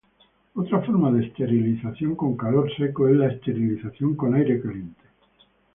Otra forma de esterilización con calor seco es la esterilización con aire caliente.